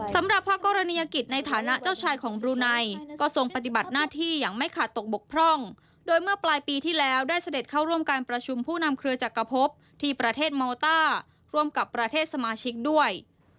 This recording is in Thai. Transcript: สำหรับพระกรณียกิจในฐานะเจ้าชายของบลูไนก็ทรงปฏิบัติหน้าที่อย่างไม่ขาดตกบกพร่องโดยเมื่อปลายปีที่แล้วได้เสด็จเข้าร่วมการประชุมผู้นำเครือจักรพบที่ประเทศโมต้าร่วมกับประเทศสมาชิกด้วย